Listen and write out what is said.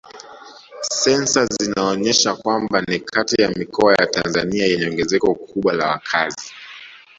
Sensa zinaonyesha kwamba ni kati ya mikoa ya Tanzania yenye ongezeko kubwa la wakazi